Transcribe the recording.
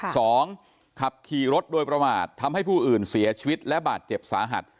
สองขับขี่รถโดยประมาททำให้ผู้อื่นเสียชีวิตและบาดเจ็บสาหัส